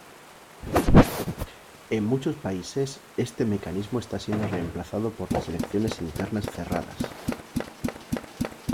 En muchos países, este mecanismo está siendo reemplazo por las elecciones internas cerradas.